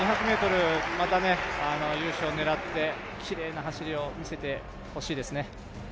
２００ｍ、また優勝を狙って、きれいな走りを見せてほしいですね。